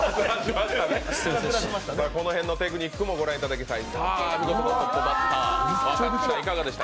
この辺のテクニックもご覧いただきたい。